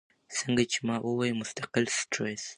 څنګه چې ما اووې مستقل سټرېس ،